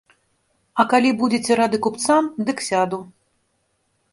А калі будзеце рады купцам, дык сяду.